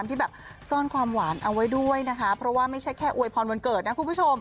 เพราะว่าไม่ใช่แค่อวยพรวนเกิดนะคุณผู้ชม